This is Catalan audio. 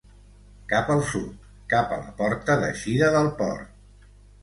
Cap al sud, cap a la porta d'eixida del port.